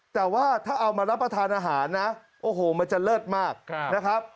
แต่ว่าถ้าเอามารับประทานอาหารนะโอ้โหมันจะเลิศมากนะครับ